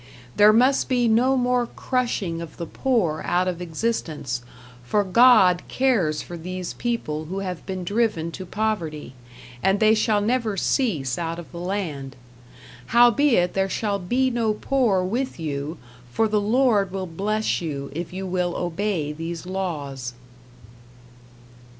There must be no more crushing of the poor out of existence, for God cares for these people who have been driven to poverty, and they shall never cease out of the land. Howbeit there shall be no poor with you, for the Lord will bless you, if you will obey these laws.